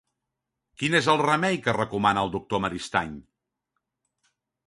Quin és el remei que recomana el doctor Maristany?